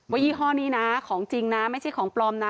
ยี่ห้อนี้นะของจริงนะไม่ใช่ของปลอมนะ